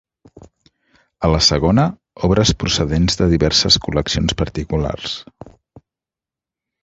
A la segona, obres procedents de diverses col·leccions particulars.